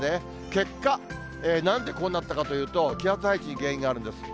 結果、なんでこうなったかというと、気圧配置に原因があるんです。